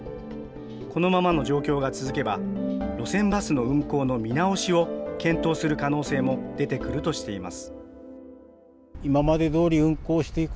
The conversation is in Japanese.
このままの状況が続けば、路線バスの運行の見直しを検討する可能性も出てくるとしています。